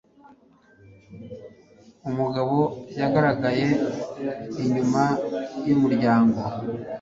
Umugabo yagaragaye inyuma yumuryango.